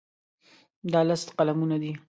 دا لس قلمونه دي.